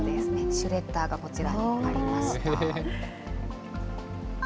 シュレッダーがこちらにあります。